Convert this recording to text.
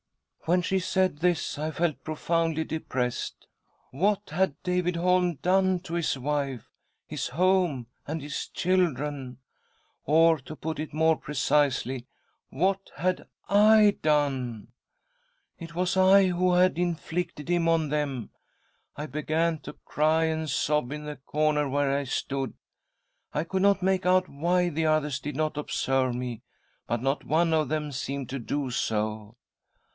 " When she said this, I felt profoundly depressed. What had David Holm done to his wife, his home, and his children — or, to put it more precisely, what had I done ? It was I who had inflicted him on them. I began to cry and sob in the corner where I stood. I could not make out why the others did not observe me, but not one of them seemed to do so.